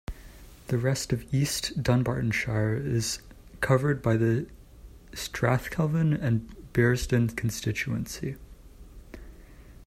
The rest of East Dunbartonshire is covered by the Strathkelvin and Bearsden constituency.